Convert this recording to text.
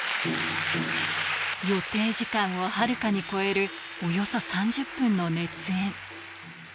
予定時間をはるかに超えるおよそ３０分の熱演。